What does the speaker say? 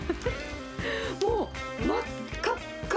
もう真っ赤っか。